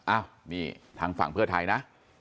อ้าวนี่ทางฝั่งเพื่อไทยนะ